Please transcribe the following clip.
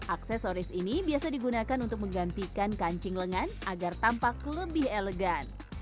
aksesoris ini biasa digunakan untuk menggantikan kancing lengan agar tampak lebih elegan